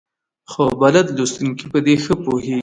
خو بلد لوستونکي په دې ښه پوهېږي.